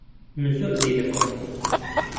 من زۆر زیرەکم.